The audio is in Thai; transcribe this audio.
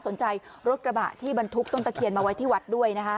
รถกระบะที่บรรทุกต้นตะเคียนมาไว้ที่วัดด้วยนะคะ